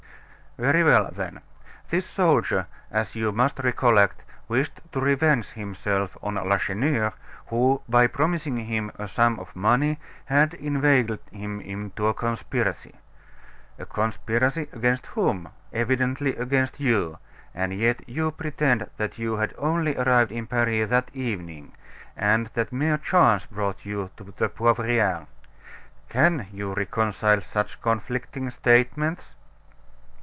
"Very well, then. This soldier, as you must recollect, wished to revenge himself on Lacheneur, who, by promising him a sum of money, had inveigled him into a conspiracy. A conspiracy against whom? Evidently against you; and yet you pretend that you had only arrived in Paris that evening, and that mere chance brought you to the Poivriere. Can you reconcile such conflicting statements?"